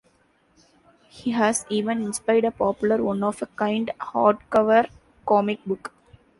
He has even inspired a popular one-of-a-kind hardcover comic book.